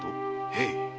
へい。